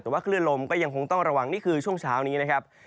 แต่ว่าคลื่นลมก็ยังคงต้องระวังนี่คือช่วงเช้านี้นะครับ